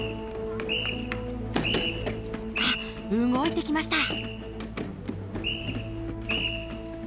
あっ動いてきました。